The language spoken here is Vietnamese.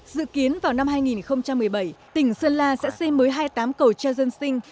dự kiến vào năm hai nghìn một mươi bảy tỉnh sơn la sẽ xây mới hai mươi tám cầu treo dân sinh